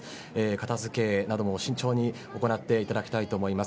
片付けなども慎重に行っていただきたいと思います。